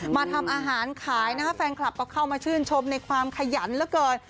มาทำอาหารขายนะครับแฟนคลับก็เข้ามาชื่นชมในความขยันเหลือเกิน